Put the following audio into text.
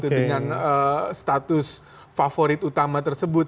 dengan status favorit utama tersebut